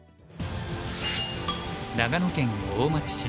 長野県大町市。